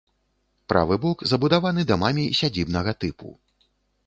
Правы бок забудаваны дамамі сядзібнага тыпу.